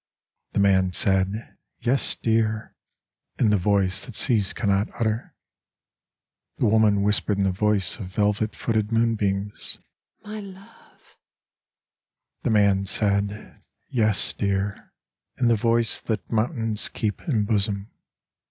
The man said, * Yes, dear !' In the voice that seas cannot utter. The woman whispered in the voice of velvet footed moon beams :* My love 1 * The man said, ' Yes, dear !' In the voice that mountains keep in bosom.